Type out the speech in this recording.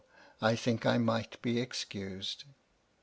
I think I might be excused.